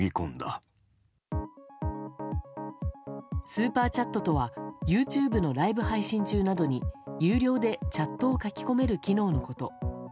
スーパーチャットとはＹｏｕＴｕｂｅのライブ配信中などに有料でチャットを書き込める機能のこと。